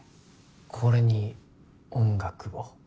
これに音楽を？